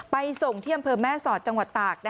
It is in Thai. ไปส่งเที่ยมเพิ่มแม่สอดจังหวัดตาก